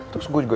terus gue juga